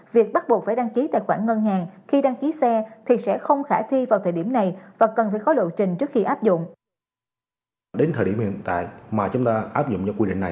việc bắt buộc phải đăng ký tài khoản ngân hàng khi đăng ký xe thì sẽ không khả thi vào thời điểm này và cần phải có lộ trình trước khi áp dụng